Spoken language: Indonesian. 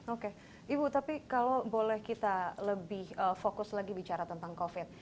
oke ibu tapi kalau boleh kita lebih fokus lagi bicara tentang covid